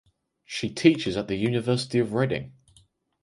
She teaches at the University of Reading.